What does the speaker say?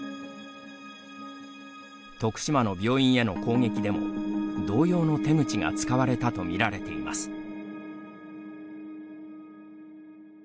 徳島の病院への攻撃でも、同様の手口が使われたと見られています。